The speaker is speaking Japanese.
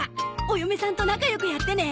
お嫁さんと仲良くやってね。